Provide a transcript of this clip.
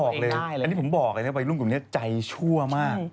คือผมบอกไปลุ่มหลบนี้ใจชั่วมาก